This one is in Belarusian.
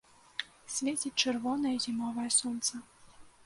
Свеціць чырвонае зімовае сонца.